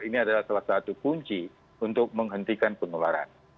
ini adalah salah satu kunci untuk menghentikan penularan